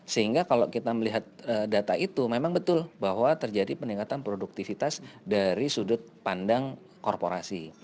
sehingga kalau kita melihat data itu memang betul bahwa terjadi peningkatan produktivitas dari sudut pandang korporasi